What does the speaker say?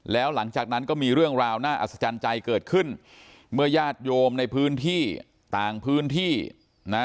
แล้วหลังจากนั้นก็มีเรื่องราวน่าอัศจรรย์ใจเกิดขึ้นเมื่อญาติโยมในพื้นที่ต่างพื้นที่นะ